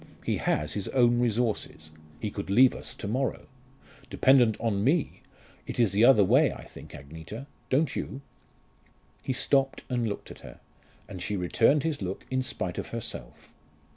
He has his own resources. He could leave us to morrow. Dependent on me! It is the other way, I think, Agneta don't you?" He stopped and looked at her, and she returned his look in spite of herself.